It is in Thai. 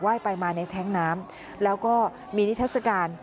ไปมาในแท้งน้ำแล้วก็มีนิทัศกาล